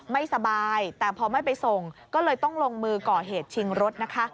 ไม่สบายแต่พอไม่ไปส่งก็เลยต้องลงมือก่อเหตุชิงรถนะคะ